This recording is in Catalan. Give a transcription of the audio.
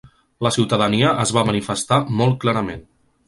La ciutadania es va manifestar molt clarament.